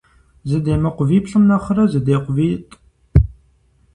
Зэдемыкъу виплӀым нэхърэ, зэдекъу витӀ.